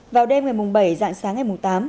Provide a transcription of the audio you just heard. vào đêm ngày bảy dạng sáng ngày tám